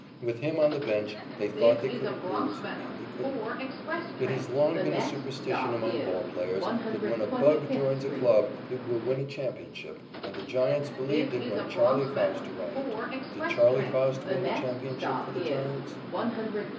With him on the bench, they thought they couldn't lose, and they couldn't. It has long been a superstition among ball players that when a "bug" joins a club, it will win a championship, and the Giants believed it when "Charley" Faust arrived. Did "Charley" Faust win the championship for the Giants?